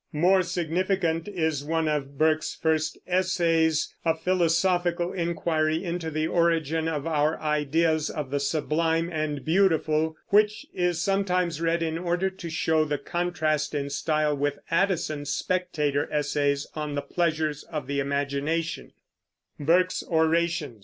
More significant is one of Burke's first essays, A Philosophical Inquiry Into the Origin of Our Ideas of the Sublime and Beautiful, which is sometimes read in order to show the contrast in style with Addison's Spectator essays on the "Pleasures of the Imagination."